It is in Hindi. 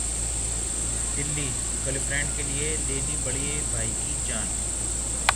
दिल्लीः गर्लफ्रेंड के लिए ले ली बड़े भाई की जान